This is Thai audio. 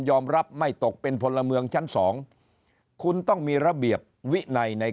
ยอมรับไม่ตกเป็นผลเมืองชั้น๒คุณต้องมีระเบียบวิไน